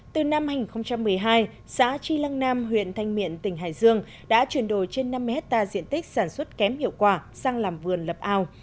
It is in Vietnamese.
từ năm hai nghìn một mươi hai xã tri lăng nam huyện thanh miện tỉnh hải dương đã chuyển đổi trên năm mươi hectare diện tích sản xuất kém hiệu quả sang làm vườn lập ao